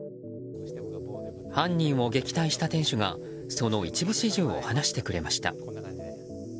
犯人を撃退した店主がその一部始終を話してくれました。